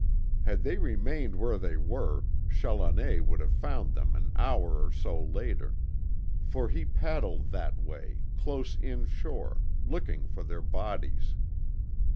Had they remained where they were, Challoner would have found them an hour or so later, for he paddled that way, close inshore, looking for their bodies.